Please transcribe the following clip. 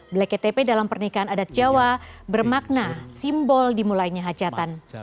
bleket tepe dalam pernikahan adat jawa bermakna simbol dimulainya hajatan